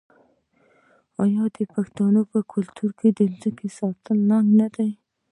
آیا د پښتنو په کلتور کې د ځمکې ساتل ننګ نه دی؟